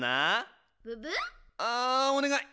ブブ？あおねがい！